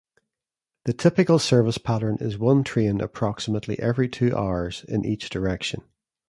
The typical service pattern is one train approximately every two hours in each direction.